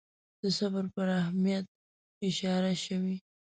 د صبر پر اهمیت اشاره شوې.